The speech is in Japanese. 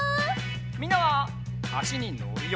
みんなはあしにのるよ。